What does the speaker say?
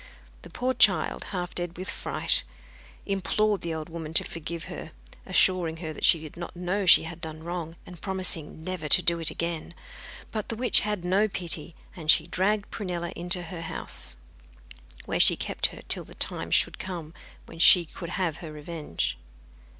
The poor child, half dead with fright, implored the old woman to forgive her, assuring her that she did not know she had done wrong, and promising never to do it again. But the witch had no pity, and she dragged Prunella into her house, where she kept her till the time should come when she could have her revenge.